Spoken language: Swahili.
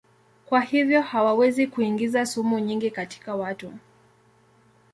Kwa hivyo hawawezi kuingiza sumu nyingi katika watu.